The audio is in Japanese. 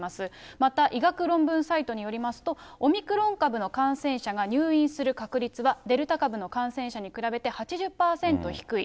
また医学論文サイトによりますと、オミクロン株の感染者が入院する確率は、デルタ株の感染者に比べて８０％低い。